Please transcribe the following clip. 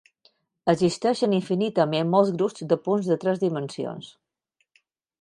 Existeixen infinitament molts grups de punts de tres dimensions.